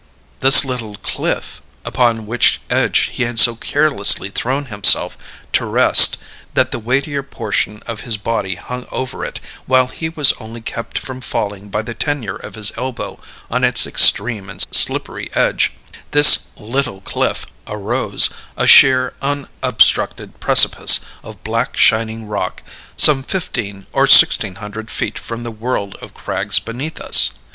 The "little cliff," upon whose edge he had so carelessly thrown himself to rest that the weightier portion of his body hung over it, while he was only kept from falling by the tenure of his elbow on its extreme and slippery edge this "little cliff" arose, a sheer unobstructed precipice of black shining rock, some fifteen or sixteen hundred feet from the world of crags beneath us.